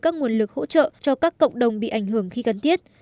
các nguồn lực hỗ trợ cho các cộng đồng bị ảnh hưởng khi cần thiết